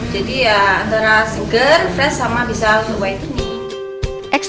jadi ya antara seger fresh sama bisa whitening